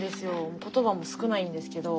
言葉も少ないんですけど。